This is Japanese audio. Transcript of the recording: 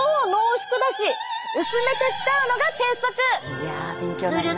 いや勉強になりました。